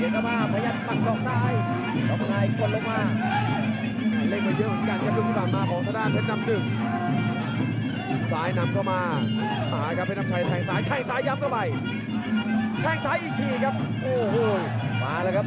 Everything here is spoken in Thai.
ใจเตียงครับว่ามันยังจะเสียบตาย